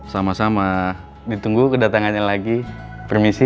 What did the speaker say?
sama sama ditunggu kedatangannya lagi permisi